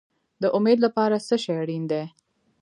د امید لپاره څه شی اړین دی؟